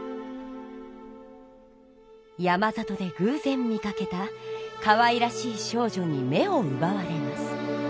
山里でぐうぜん見かけたかわいらしい少女に目をうばわれます。